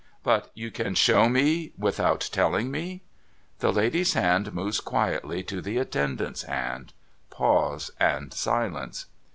' But you can show me without telling me.' The lady's hand moves quietly to the attendant's hand. Pause and silence.